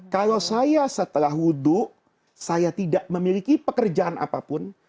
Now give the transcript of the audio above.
kalau saya setelah wudhu saya tidak memiliki pekerjaan apapun